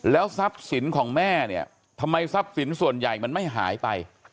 ทรัพย์สินของแม่เนี่ยทำไมทรัพย์สินส่วนใหญ่มันไม่หายไป